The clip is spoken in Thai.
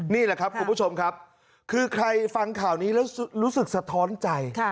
นี่แหละครับคุณผู้ชมครับคือใครฟังข่าวนี้แล้วรู้สึกสะท้อนใจ